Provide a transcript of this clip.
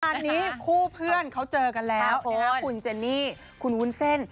ค่ะคราวนี้คู่เพื่อนเขาเจอกันแล้วคุณเจนี่คุณวุวน้เส้น